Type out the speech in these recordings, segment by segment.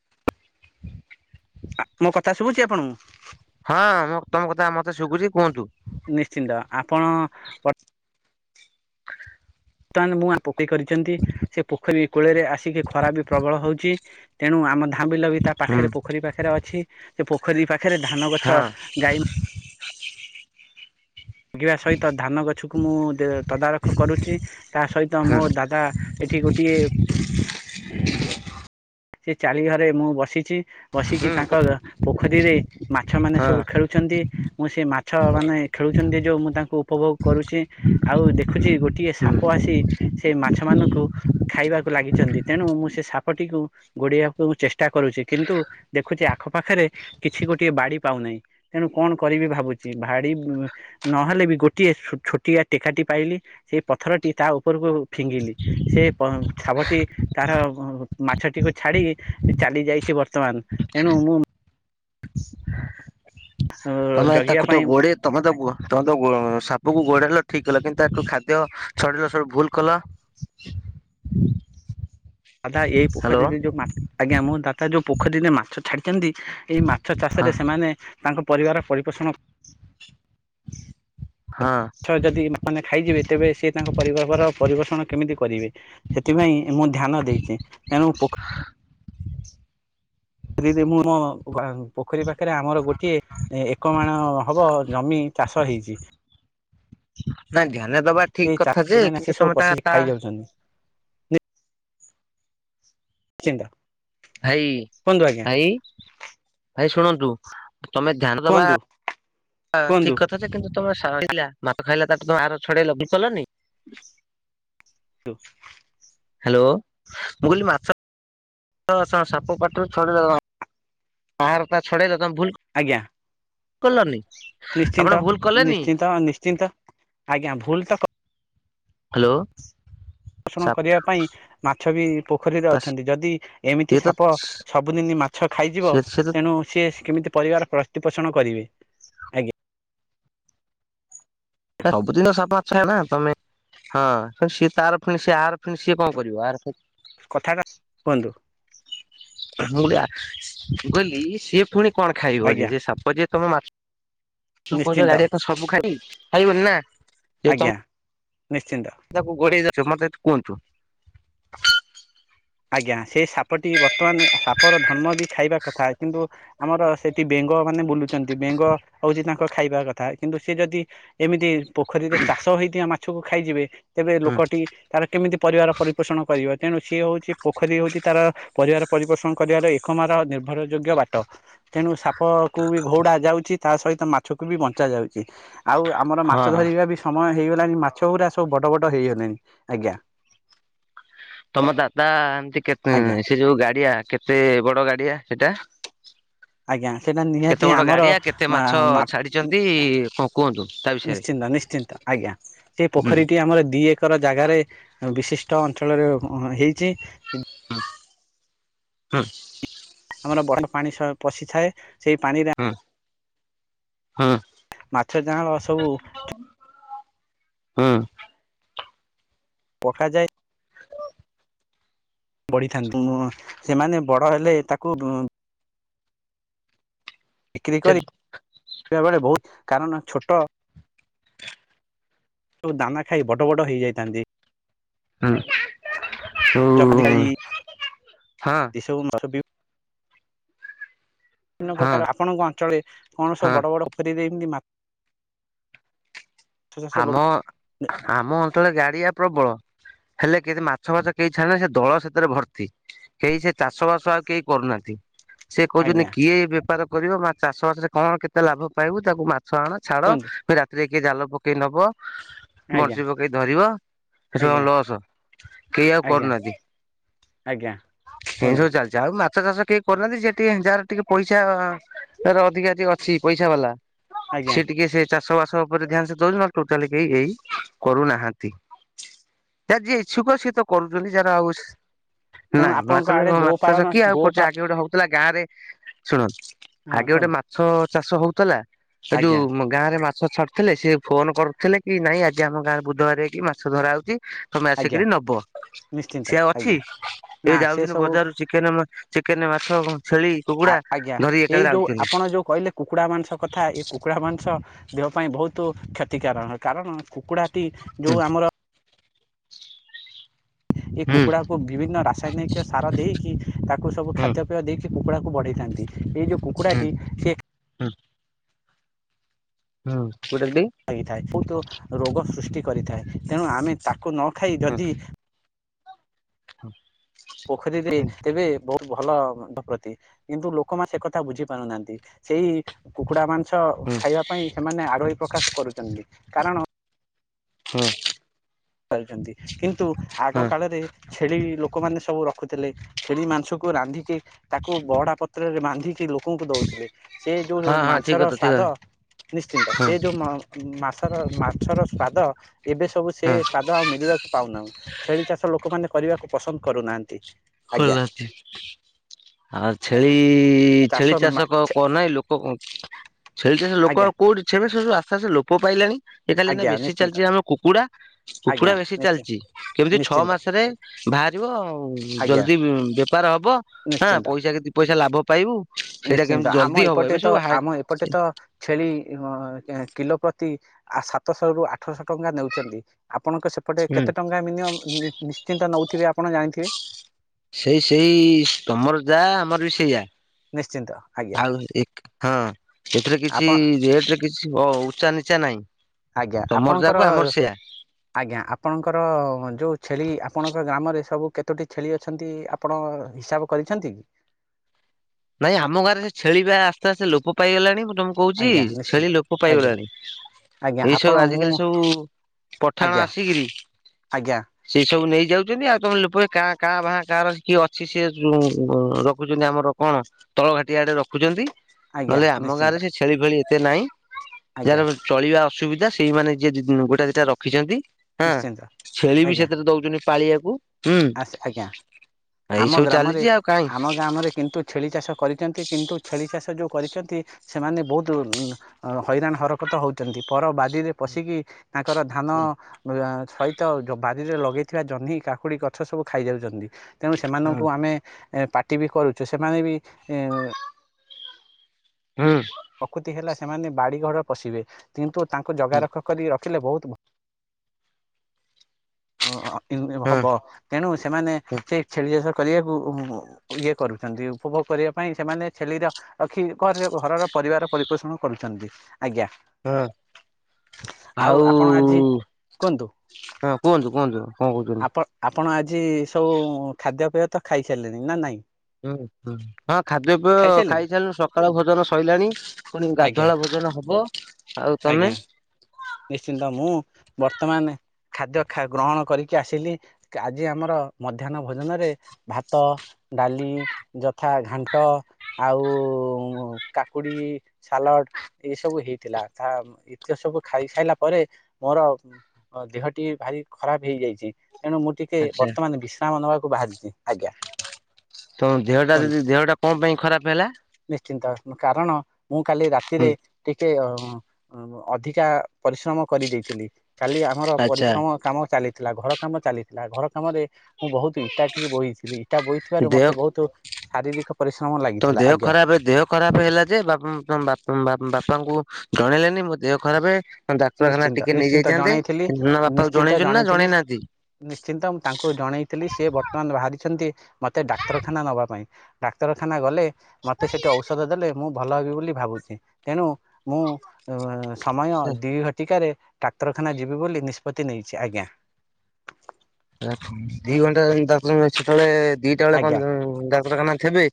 [unintelligible] ଆ ମୋ କଥା ଶୁଭୁଛି ଆପଣଙ୍କୁ। ହଁ ମୁଁ ତମ କଥା ବା ମତେ ଶୁଖୁଛି କୁହନ୍ତୁ। ନିଶ୍ଚିନ୍ତ ଆପଣ କ ବର୍ତ୍ତମାନ ମୁ ଆ ପୋକେଇ କରିଚନ୍ତି ସେ ପୋଖରୀ କୂଳରେ ଆସିକି ଖରା ବି ପ୍ରବଳ ହଉଚି ତେଣୁ ଆମ ଧାଁ ବିଲ ବି ତା ହୁଁ ପାଖରେ ପୋଖରୀ ପାଖରେ ଅଛି ସେ ପୋଖରୀ ପାଖରେ ଧାନ ଗଛ ହଁ ଗାଈ ବା ସହିତ ଧାନ ଗଛକୁ ମୁଁ ତଦାରଖ କରୁଛି। ତା ସହିତ ହୁଁ ମୋ ଦାଦା ଏଠି ଗୋଟିଏ ସେ ଚାଳି ଘରେ ମୁଁ ବସିଛି ବସିକି ହୁଁ ତାଙ୍କ ପୋଖରୀରେ ମାଛ ମାନେ ହଁ ସବୁ ଖେଳୁ ମୁଁ ସେ ମାଛ ମାନେ ଖେଳୁଛନ୍ତି ଯୋଉ ମୁଁ ତାଙ୍କୁ ଉପଭୋଗ କରୁଛି। ଆଉ ଦେଖୁଛି ଗୋଟିଏ ହୁଁ ସାପ ଆସି ସେ ମାଛ ମାନଙ୍କୁ ଖାଇବାକୁ ଲାଗିଛନ୍ତି ତେଣୁ ମୁଁ ସେ ସାପଟିକୁ ଗୋଡେଇବାକୁ ମୁଁ ଚେଷ୍ଟା କରୁଛି କିନ୍ତୁ ଦେଖୁଛି ଆଖ ପାାଖରେ କିଛି ଗୋଟିଏ ବାଡ଼ି ପାଉନାହିଁ। ତେଣୁ କଣ କରିବି ଭାବୁଛି ଭାଡି ନହେଲେ ବି ଗୋଟିଏ ଛୋଟିଆ ଟେକାଟି ପାଇଲି ସେଇ ପଥରଟି ତା ଉପରକୁ ଫିଙ୍ଗିଲି। ସେ ଛାବଟି ତାର ମାଛଟିକୁ ଛାଡ଼ି ଚାଲି ଯାଇଛି ବର୍ତ୍ତମାନ ତେଣୁ ମୁଁ ତମେ ଜଗିବା ତାକୁ ତ ପାଇଁ ଗୋଡେ ତମେ ତ ତମେ ତ ସାପକୁ ଗୋଡାଇଲ ଠିକ କଲ କିନ୍ତୁକୁ ଖାଦ୍ୟ ଛଡିଲ ସବୁ ଭୁଲ କଲ। ହ ଦାଦା ଏଇ ପୋଖରୀରେ ଯୋଉ ମା ଆଜ୍ଞା ମୋ ଦାଦା ଯୋଉ ପୋଖରୀରେ ମାଛ ଛାଡିଛନ୍ତି ଏଇ ମା ଛ ହଁ ଚାଷରେ ସେମାନେ ତାଙ୍କ ପରିବାର ପରିପୋଷଣ ହଁ। ମାଛ ଯଦି ମାନେ ଖାଇଯିବେ ତେବେ ସି ତାଙ୍କ ପରିବାରର ପରିବେଷଣ କେମିତି କରିବେ। ସେଥିପାଇଁ ମୁଁ ଧ୍ୟାନ ଦେଇଛି। ତେଣୁ ହଁ। ଦିଦି ମୁଁ ମୋ ପୋଖରୀ ପାଖରେ ଆମର ଗୋଟିଏ ଏକମାଣ ହବ ଜମି ଚାଷ ହେଇଛି। ନା ଧ୍ୟାନ ଦବା ସେ ଠିକ କଥା ଚାଷୀ ଯେ ମାନେ ସେ କିନ୍ତୁ ସବୁ ତମେ ତା ପଶିକି ତା ଖାଇ ଯାଉଛନ୍ତି [unintelligible] ଭାଇ କୁହନ୍ତୁ ଆଜ୍ଞା ଭାଇ ଭାଇ ଶୁଣନ୍ତୁ। ତମେ ଧ୍ୟାନ ଦବା କୁହନ୍ତୁ କୁହନ୍ତୁ ଠିକ କ ଥା କିନ୍ତୁ ତମେ ସା ମାଛ ଖାଇଲା ତାରେ ତମେ ଆର ଛଡେଇ ଲ କଲନି। [unintelligible] ହ୍ୟାଲୋ ମୁଁ କହିଲି ମାଛ ସାପ ପାଟିରୁ ଛଡିଦବା। ପାହାର ଛଡ଼େଇ ଦେଦମ ଭୁଲ ଆଜ୍ଞା। କଲନି। ଆପଣ ନିଶ୍ଚିନ୍ତ ଭୁଲ କଲେନି। ନିଶ୍ଚିନ୍ତ ନିଶ୍ଚିନ୍ତ ଆଜ୍ଞା ଭୁଲ ତ ହ୍ୟାଲୋ। ଷଣ ସାପ କରିବା ପାଇଁ ମାଛ ବି ପୋଖରୀରେ ଅଛନ୍ତି ଯଦି ଏମିତି ସିଏ ତ ସାପ ସବୁଦିନ ମା ଛ ଖାଇଯିବ ସିଏ ସିଏ ତ ତେଣୁ ସିଏ କେମିତି ପରିବାର ପ୍ରତିପୋଷଣ କରିବେ। ଆଜ୍ଞା ସବୁ ଜିନଷ ସ ପାଛ ନା ତମେ ହଁ ସିଏ ତାର ଫିଣି ସିଏ ଆର ଫିଣି ସିଏ କଣ କରିବ ଆ କଥାଟା କୁହନ୍ତୁ। ମୁଁଆ ଗଲି ସିଏ ପୁଣି କଣ ଖାଇବ ଆଜ୍ଞା ଯେ ସାପ ଯେ ତମେ ମା ଛ ନିଶ୍ଚିନ୍ତ ଗାଡି ସବୁ ଖାଇ ଖାଇବନି ନା। ଯେ ଆଜ୍ଞା ତମେ ନିଶ୍ଚିନ୍ତ। ତାକୁ ଗୋଡେଇ ଯାଉଛ ମତେ କୁହନ୍ତୁ। ଆଜ୍ଞା ସେଇ ସାପଟି ବର୍ତ୍ତମାନ ସାପର ଧର୍ମ ବି ଖାଇବା କଥା କିନ୍ତୁ ଆମର ସେଠି ବେଙ୍ଗ ମାନେ ବୁଲୁଛନ୍ତି ବେଙ୍ଗ ହଉଛି ତାଙ୍କ ଖାଇବା କଥା କିନ୍ତୁ ସେି ଯଦି ଏମିତି ପୋଖରୀରେ ଚାଷ ହେଇଥିବା ମାଛକୁ ଖାଇଯିବେ ତେବେ ହୁଁ ଲୋକଟି ତାର କେମିତି ପରିବାର ପରିପୋଷଣ କରିବ ତେଣୁ ସିଏ ହଉଛି। ପୋଖରୀ ହଉଛି ତାର ପରିବାର ପରିପୋଷଣ କରିବାର ଏକମାର ନିର୍ଭରଯୋଗ୍ୟ ବାଟ ତେଣୁ ସା ପକୁ ବି ଘଉଡା ଯାଉଛି ତା ସହିତ ମାଛକୁ ବି ବଞ୍ଚା ଯାଉଛି ଆଉ ଆମର ମାଛ ହଁ ଧରିବା ବି ସମୟ ହେଇଗଲାଣି ମାଛ ଗୁଡା ସବୁ ବଡ ବଡ ହେଇଗଲେଣି ଆଜ୍ଞା। ତମ ଦାଦା ଏମିତି କେ ଆଜ୍ଞା। ସେ ଯୋଉ ଗାଡିଆ କେତେ ବଡ ଗାଡିଆ ସେଟା? ଆଜ୍ଞା ସେଇଟା ନିହାତି କେତେ ବଡ ଆମର ଗାଡିଆ କେତେ ମା ମାଛ ମା ଛାଡିଛନ୍ତି କଣ କୁହନ୍ତୁ ତା ନିଶ୍ଚିନ୍ତ ବିଷୟରେ ନିଶ୍ଚିନ୍ତ ଆଜ୍ଞା ସେଇ ହୁଁ ପୋଖରୀ ଟି ଆମର ଦି ଏକର ଜାଗାରେ ବିଶିଷ୍ଟ ଅଞ୍ଚଳରେ ହେଇଛି। ହଁ ହଁ ଆମର ବର୍ ପାଣି ପଶିଥାଏ ସେଇ ପାଣିରେ ହଁ ହଁ ମାଛ ଚାାଁଳ ସବୁ ହୁଁ ହୁଁ ପଠାଯା [inaudible] ବଢିଥାନ୍ତି ସେମାନେ ବଡ ହେଲେ ତାକୁ ବିକ୍ରି ସେ କରି ବଳେ ବହୁତ କାରଣ ଛୋଟ ସବୁ ଦାନା ଖାଇ ବଟ ବଡ ହେଇଯାଇଥାନ୍ତି। ହଁ ହଁ [inaudible] ବିଭିନ୍ନ ହଁ ପ୍ରକାର ଆପଣଙ୍କ ଅଞ୍ଚଳରେ କଣ ହଁ ସବୁ ବଡ ବଡ ଖୋୁରୀରେ ଏମିତି ଚାଷ ଲୋକ ଆମ ଆମ ଅଞ୍ଚଳରେ ଗାଡିଆ ପ୍ରବଳ। ହେଲେ କେ ମାଛ ବାଛ କେହି ଛଏ ସେ ଦଳ ସେଥିରେ ଭର୍ତ୍ତି। କେହି ସେ ଚାଷ ବାସ ଆଉ କେହି କରୁନାହାନ୍ତି। ସେ କହୁଛନ୍ତି ଆଜ୍ଞା କିଏ ବେପାର କରିବ ମା ଚାଷବାସରେ କଣ କେତେ ଲାଭ ପାଇବୁ ତାକୁ ମାଛ ଆଣ ଛାଡ କୁହନ୍ତୁ ଏ ରାତିରେ କିଏ ଜାଲ ପକେଇ ନବ ଆଜ୍ଞା ବଞ୍ଚିବ କେହି ଧରିବ ଏସବୁ କଣ ଆଜ୍ଞା ଲସ୍ କେହି ଆଉ ଆଜ୍ଞା। କରୁନାହାନ୍ତି। ଆଜ୍ଞା ସେ କୁହନ୍ତୁ ସବୁ ଚାଲିଛି ଆଉ ମାଛ ଚାଷ କିଏ କରୁନାହାନ୍ତି ସେ ଟିକେ ଯାହାର ଟିକେ ପଇସା ତାର ଅଧିକାଧିକ ଅଛି ପଇସା ବାଲା ଆଜ୍ଞା ସେ ଟିକେ ସେ ଚାଷ ବାସ ଉପରେ ଧ୍ୟାନ ସେ ଟୋଟାଲି କେହି ଏଇ କରୁନାହାନ୍ତି। ତାର ଯି ଇଚ୍ଛୁକ ସ ସେ ତ କରୁଛନ୍ତି ଯାହା ଆଉ ତେଣୁ ନାଇଁ ଆପଣଙ୍କ ମାଛ ଆଡେ ମାଛ ଗୋପାଳନ ଶକି ଆଉ କରଛି ଗୋପା ଆଗେ ଗୋଟେ ହଉଥିଲା ଗାଁରେ ଶୁଣନ୍ତ ହଁ ଆଗେ ଗୋଟେ କୁହନ୍ତୁ। ମାଛ ଚାଷ ହଉଥିଲା ଏ ଆଜ୍ଞା ଯୋଉ ଗାଁରେ ମାଛ ଛଡିଥିଲେ ସି ଫୋନ କରୁଥିଲେ କି ନାଇଁ ଆଜି ଆମ ଗାଁରେ ବୁଧବାର ହେଇକି ମାଛ ଧରାହଉଛି। ତମେ ଆଜ୍ଞା ଆସିକରି ନବ ନିଶ୍ଚିନ୍ତ ସିଏ ଆଉ ଅଛି ଆଜ୍ଞା ଏବେ ନା ସେ ଯାଉଛି ସବୁ ବଜାରରୁ ଚିକେନ, ଚିକେନ, ମାଛ ଛେଳି ଆ କୁକୁଡା ଆଜ୍ଞା ଧରି ଏଇ ଏକାଥରେ ଯୋଉ ଆଉଛନ୍ତି ଆପଣ ଯୋଉ କହିଲେ। କୁକୁଡ଼ା ମାଂସ କଥା ଏ କୁକୁଡ଼ା ମାଂସ ଦେହ ପାଇଁ ବହୁତ କ୍ଷତିକାରକ କାରଣ କୁକୁଡ଼ା ଟି ହୁଁ ଯୋଉ ଆମର ଏ ହୁଁ କୁକୁଡ଼ା କୁ ବିଭିନ୍ନ ରାସାୟନିକ ସାର ଦେଇକି ତାକୁ ସବୁ ହୁଁ ଖାଦ୍ୟପେୟ ଦେଇକି କୁକୁଡ଼ାକୁ ବଢ଼େଇଥାନ୍ତି ଏଇ ଯେଉ ହୁଁ କୁକୁଡ଼ାଟି ସେ ହୁଁ ହୁଁ କୁଠେି [inaudible] ରୋଗ ସୃଷ୍ଟି କରିଥାଏ ତେଣୁ ଆମେ ତାକୁ ନ ଖାଇ ଯଦି ହଁ ପୋଖରୀରେ ତେବେ ବହୁତ ଭଲ ପ୍ରତି କିନ୍ତୁ ଲୋକମାନେ ସେ କଥା ବୁଝି ପାରୁନାହାନ୍ତି ସେଇ କୁକୁଡା ମାନେ ମାଛ ହୁଁ ଖାଇବା ପାଇଁ ସେମାନେ ଆଗହୀ ପ୍ରକାଶ କରୁଛନ୍ତି କାରଣ ହଁ କିନ୍ତୁ ଆଗ ହଁ କାଳରେ ଛେଳି ଲୋକ ଲୋକମାନେ ସବୁ ରଖୁଥିଲେ ଛେଳି ମାଂସକୁ ରାନ୍ଧିକି। ତାକୁ ବଡା ପତ୍ରରେ ବାନ୍ଧିକି ଲୋକଙ୍କୁ ଦଉଥିଲେ। ସେ ଯୋଉ ହଁ ଠିକ ମାଂସର କଥା ଠିକ କଥା ସ୍ଵାଦ ନିଶ୍ଚିନ୍ତ ହଁ ସେ ଯୋଉ ମାଛର-ମାଛର ସ୍ଵାଦ ଏବେ ସବୁ ସେ ହଁ ସ୍ଵାଦ ଆଉ ମିଳିବାକୁ ପାଉନାହୁଁ। ଛେଳି ଚାଷ ଲୋକମାନେ କରିବାକୁ ପସନ୍ଦ କରୁନାହାନ୍ତି। ଆଜ୍ଞା ହଲାଛି ଆଁ ଛେଳି ଛେଳି ଚାଷ କ କ ନାହିଁ ଲୋକ ଛେଳି ଚାଷ ଲୋକ ଆଜ୍ଞା। ଆଉ କୋଉଠି ସେବେ ସୁ ଆସ୍ତେ ଆସ୍ତେ ଲୋ ପାଇଲାଣି ଏ ଖାଲି ଏଇନା ଆଜ୍ଞା ବେଶୀ ନିଶ୍ଚିନ୍ତ ଚାଲିଛି ଆମ କୁକୁଡ଼ା କୁକୁୁଡା ଆଜ୍ଞା ବେଶୀ ନିଶ୍ଚି ଚାଲିଛି କେମିତି ଛଅ ନିଶ୍ଚିନ୍ତ ମାସରେ ବାହାରିବ ଆଉ ଆଜ୍ଞା ଜଲଦି ବେପାର ହବ ହଁ ନିଶ୍ଚିନ୍ତ ପଇସା କେ ଦିଇ ପଇସା ଲାଭ ପାଇବୁ ସେଇଟା ନିଶ୍ଚିନ୍ତ କେମିତି ଆମ ଜଲ୍ଦି ହବ ଏପଟେ ଏବେ ତ ସବୁ ଆମ ଏପଟେ ତ ଛେଳି କିଲୋ ପ୍ରତି ଆ ସାତଶହ ରୁ ଆଠଶହ ଟଙ୍କା ନେଉଛନ୍ତି ଆପଣଙ୍କ ସେ ଏପଟେ ହୁଁ କେତେ ଟଙ୍କା ମିନିମ ନିଶ୍ଚିନ୍ତ ନଉଥିବେ ଆପଣ ଜାଣିଥିବେ ସେଇ ସେଇ ତମର ଯା ଆମର ବି ସେଇ ଯା ନିଶ୍ଚିନ୍ତ ଆଜ୍ଞା। ଆଉ ହଁ ଏଥିରେ କିଛି ଆପଣ ରେଟ କିଛି ହ ଉଚା ନିଚା ନାହିଁ ଆଜ୍ଞା ତମର ଯାହାକୁ ଆପଣଙ୍କର ଆମର ସେୟା ଆଜ୍ଞା ଆପଣଙ୍କର ଯୋଉ ଛେଳି ଆପଣଙ୍କ ଗ୍ରାମରେ ସବୁ କେତୋଟି ଛେଳି ଅଛନ୍ତି ଆପଣ ହିସାବ କରିଛନ୍ତି କି ନାଇଁ ଆମ ଗାରେ ସେ ଛେଳିିବା ଆସ୍ତେ ଆସ୍ତେ ଲୋପ ପାଇଗଲାଣି ତମ କହୁଛି ଆଜ୍ଞା ନିଶ୍ଚିନ୍ତ ଛେଳି ଲୋକ ଆଜ୍ଞା ପାଇଗଲାଣି ଆଜ୍ଞା ଏଇ ଆପଣ ସବୁ ମୁଁ ଆଜିକାଲି ସବୁ ପଠାଣ ଆଜ୍ଞା ଆସିକିରି ଆଜ୍ଞା ସେଇ ସବୁ ନେଇଯାଉଛନ୍ତି ଆଉ ତମେ ଲପ କାଁ କାଁ ବାହାଁ କାଁର କିଏ ଅଛି ସିଏ ଯ ରଖୁଛନ୍ତି ଆମର କଣ ତଳ ଘାଟି ଆଡେ ରଖୁଛନ୍ତି ଆଜ୍ଞା ନହେଲେ ଆମ ଗାଁ ନିଶ୍ଚିନ୍ତ ରେ ସେ ଛେଳି ଭେଳି ଏତେ ନାହିଁ ଆଜ୍ଞା ଯାହାର ଚଳିବା ଅସୁବିଧା ସେଇମାନୋନେ ଯିଏ ଗୋଟା ଦିଟା ରଖିଛନ୍ତି ହଁ ନିଶ୍ଚିନ୍ତ ଛେଳି ବି ସେଥିରେ ଦଉଛନ୍ତି ପାଳିଆକୁ ହୁଁ ଆ ଆଜ୍ଞା ଏଇ ଆମ ସବୁ ଗ୍ରାମରେ ଚାଲିଛି ଆଉ କାହିଁ। ଆମ ଗ୍ରାମରେ କିନ୍ତୁ ଛେଳି ଚାଷ କରିଛନ୍ତି କିନ୍ତୁ ଛେଳି ଚାଷ ଯେଉଁ କରିଛନ୍ତି ସେମାନେ ବହୁତ ହଇରାଣ ହରକତ ହଉଛନ୍ତି ପର ବାଡ଼ିରେ ପଶିକି ତାଙ୍କର ଧାନ ହୁଁ ସହିତ ବାରିରେ ଲଗେଇଥିବା ଜହ୍ନି କାକୁଡି ଗଛ ସବୁ ଖାଇଯାଉଛନ୍ତି ତେଣୁ ସେମାନଙ୍କୁ ଆମେ ପାଟି ବି କରୁଛୁ ସେମାନେ ବି ହୁଁ ପ୍ରକୃତି ହେଲା ସେମାନେ ବାଡ଼ିଘର ପଶିବେ କିନ୍ତୁ ତାଙ୍କୁ ହୁଁ ଜଗା ରଖ କରି ରଖିଲେ ବହୁତ ହବ ହଁ ତେଣୁ ସେମାନେ ସେ ଛେଳି ଚାଷ କରିବାକୁ ଇଏ କରୁଛନ୍ତି ଉପଭୋଗ କରିବା ପାଇଁ ସେମାନେ ଛେଳିର ରଖି ଘରେ ଘରର ପରିବାର ପରିପୋଷଣ କରୁଛନ୍ତି ଆଜ୍ଞା ହଁ ଆଉ ଆପଣ ଆଜି କୁହନ୍ତୁ ହଁ କୁହନ୍ତୁ କୁହନ୍ତୁ କଣ କହୁଛୁ ପ ଆପଣ ଆଜି ସବୁ ଖାଦ୍ୟପେୟ ତ ଖାଇସାରିଲେଣି ନା ନାହିଁ ହୁଁ ହୁଁ ହଁ ଖାଦ୍ୟପେୟ ଖାଇସାରିଲେଣି ଖାଇସାରିଲଣି ସକାଳ ଭୋଜନ ସରିଲାଣି ପୁଣି ଆଜ୍ଞା ଗାଧୁଆ ଭୋଜନ ହବ ଆଉ ତମେ ଆଜ୍ଞା ନିଶ୍ଚିନ୍ତ ମୁଁ ବର୍ତ୍ତମାନ ଖାଦ୍ୟ ଖା ଗ୍ରହଣ କରିକି ଆସିଲି ଆଜି ଆମର ମଧ୍ୟାହ୍ନ ଭୋଜନରେ ଭାତ ଡାଲି ଯଥା ଘଣ୍ଟ ଆଉ କାକୁଡି ସାଲଡ ଏସବୁ ହେଇଥିଲା ତା ଇତିହ ସବୁ ଖାଇସାଇିଲା ପରେ ମୋର ଦେହଟି ଭାରି ଖରାପ ହେଇଯାଇଛି ତେଣୁ ମୁଁ ଟିକେ ଟେ ଆଚ୍ଛା ବର୍ତ୍ତମାନ ବିଶ୍ରାମ ନେବାକୁ ବାହାରିଛି ଆଜ୍ଞା ତମ ଦେହଟା କୁହନ୍ତୁ। ଯଦି ଦେହଟା କଣ ପାଇଁ ଖରାପ ହେଲା ନିଶ୍ଚିନ୍ତ କାରଣ ମୁଁ କାଲି ରାତିରେ ହୁଁ ଟିକେ ଅ ଅଧିକା ପରିଶ୍ରମ କରି ଦେଇେଇଥିଲି କାଲି ଆମର ଆଚ୍ଛା ପରିଶ୍ରମ କାମ ଚାଲି ଥିଲା ଘର କାମ ଚାଲିଥିଲା ଘର କାମରେ ମୁଁ ବହୁତ ଇଟା ଟିକଏ ବୋହିଥିଲି ଟା ବୋଇଥିବାରୁ ଦେହ ମୋତେ ବହୁତ ଶାରୀରିକ ପରିଶ୍ରମ ଲାଗେ ତମ ଦେହ ଖରାପ ଏ ଦେହ ଖରାପ ହେଲା ଯେ ବାପା ବାପାଙ୍କୁ ଜଣେଇଲେନି ମୋ ଦେହ ଖରାପ ହ ହଁ ଡାକ୍ତରଖାନା ନିଶ୍ଚିନ୍ତ ଟିକେ ନିଶ୍ଚିନ୍ତ ନେଇଯାଇଥାନ୍ତ ଜଣେଇଥିଲି ନ ବାପା କଙ୍କୁ ନିଶ୍ଚିନ୍ତ ଜଣେଇଛନ୍ତି ନା ଜଣେଇଥିଲି ଜଣେଇନାହାନ୍ତି ନିଶ୍ଚିନ୍ତ ମୁଁ ତାଙ୍କୁ ଜଣେଇଥିଲି ସିଏ ବର୍ତ୍ତମାନ ବାହାରିଛନ୍ତି ମୋତେ ଡାକ୍ତରଖାନା ନେବା ପାଇଁ ଡାକ୍ତରଖାନା ଗଲେ ମତେ ସେଠି ଔଷଧ ଦେଲେ ମୁଁ ଭଲ ହେବି ବୋଲି ଭାବୁଛି ତେଣୁ ମୁଁ ସମୟ ଦୁଇ ଘଟିକାରେ ଡାକ୍ତରଖାନା ଯିବି ବୋଲି ନିଷ୍ପତ୍ତି ନେଇଛି ଆଜ୍ଞା ଦି ଘଣ୍ଟା ାକ୍ତାନ ସେତେବେଳେ ଦିଟା ବେଳେ କ ଆଜ୍ଞା ଡାକ୍ତରଖାନା ଥିବ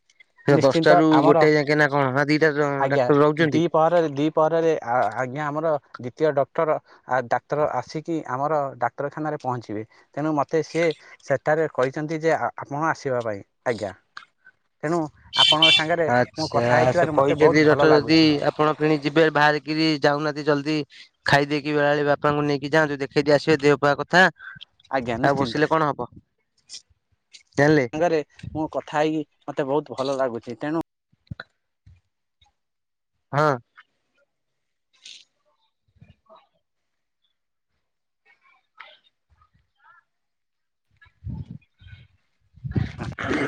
ଦଶଟା ନିଶ୍ଚିନ୍ତ ରୁ ଆମର ଗୋଟେ ଯାକ ନା କଣ ଦିଟା ଡାକ୍ତର ରହୁଛନ୍ତି ରେ ଦୁି ପହରରେ ଆଜ୍ଞା ଆମର ଦ୍ୱିତୀୟ ଡକ୍ଟର ଆ ଡାକ୍ତର ଆସିକି ଆମର ଡାକ୍ତରଖାନାରେ ପହଞ୍ଚିବେ ତେଣୁ ମୋତେ ସିଏ ସେଠାରେ କହିଛନ୍ତି ଯେ ଆପଣ ଆସିବା ପାଇଁ ଆଜ୍ଞା ତେଣୁ ଆପଣଙ୍କ ସାଙ୍ଗରେ ମୁଁ ଆଚ୍ଛା କଥା ହେଇଥିବାରୁ ମୋତେ ବହୁତ ଭଲ ଲାଗୁଛି କିଣି ଯିବେ ବାହାରିକିରି ଯାଉନାହାନ୍ତି ଜଲ୍ଦି ଖାଇଦେଇକି ବେଳାବେଳେ ବାପାଙ୍କୁ ନେଇକି ଯାଆ ଯୋଉ ଦେଖେଇଦି ଆସିବେ ଦେହ ପାା କଥା ଆଜ୍ଞା ଆଉ ନିଶ୍ଚିନ୍ତ ବସିଲେ କଣ ହବ ଜାଣିଲେ ସାଙ୍ଗରେ ମୁଁ କଥା ହେଇକି ମତେ ବହୁତ ଭଲ ଲାଗୁଛି ତେଣୁ ହଁ ଆ